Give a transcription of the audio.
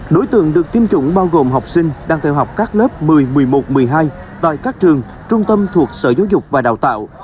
đối tượng được tiêm chủng bao gồm học sinh đang theo học các lớp một mươi một mươi một một mươi hai tại các trường trung tâm thuộc sở giáo dục và đào tạo